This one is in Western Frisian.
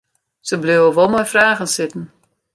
Se bliuwe wol mei fragen sitten.